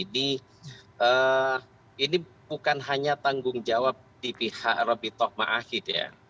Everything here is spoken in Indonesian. jadi ini bukan hanya tanggung jawab di pihak rabbi toh ma'ahid ya